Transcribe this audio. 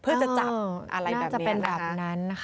เพื่อจะจับอะไรแบบนี้